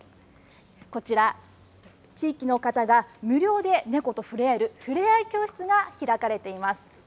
こちら、地域の方が無料で猫と触れ合える、触れ合い教室が開かれています。